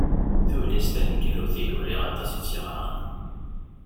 Tullist taneggarut i uriɣ aṭas i tt-yeɣran.